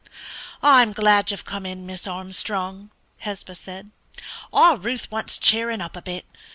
"I am glad you have come in, Miss Armstrong," Hesba said, "our Ruth wants cheering up a bit.